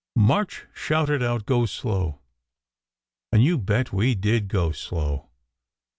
March shouted out, Go slow ! And you bet we did go slow